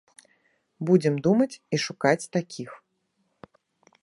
Будзем думаць і шукаць такіх.